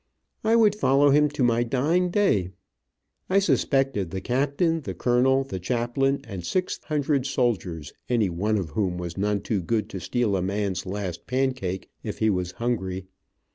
I would follow him to my dying day. I suspected the captain, the colonel, the chaplain, and six hundred soldiers, any one of whom was none too good to steal a man's last pancake if he was hungry.